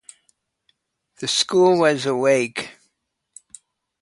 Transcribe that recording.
The school was awake.